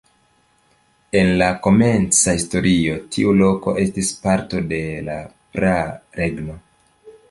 En la komenca historio tiu loko estis parto de praa regno.